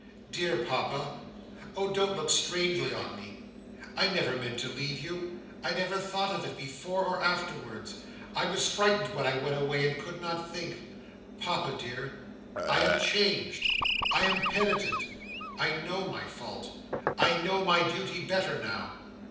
"Dear Papa, oh don't look strangely on me! I never meant to leave you. I never thought of it, before or afterwards. I was frightened when I went away, and could not think. Papa, dear, I am changed. I am penitent. I know my fault. I know my duty better now.